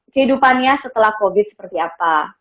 kehidupannya setelah covid sembilan belas seperti apa